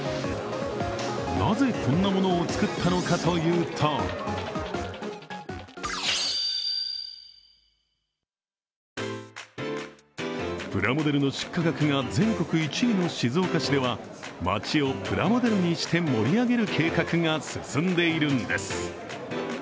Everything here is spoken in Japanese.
なぜこんな物を作ったのかというとプラモデルの出荷額が全国１位の静岡市では街をプラモデルにして盛り上げる計画が進んでいるんです。